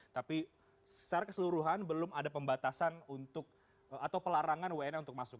tapi secara keseluruhan belum ada pembatasan untuk atau pelarangan wna untuk masuk